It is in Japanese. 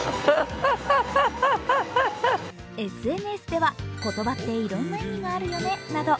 ＳＮＳでは言葉っていろんな意味があるよねなど